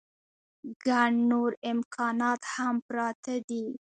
ګڼ نور امکانات هم پراته دي.